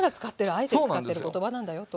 あえて使ってる言葉なんだよという。